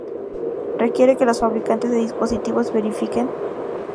requiere que los fabricantes de dispositivos verifiquen